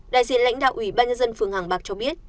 đại diện lãnh đạo ủy ban nhân dân phường hàng bạc cho biết